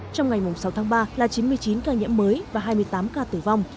trong ngày sáu tháng ba là chín mươi chín ca nhiễm mới và hai mươi tám ca tử vong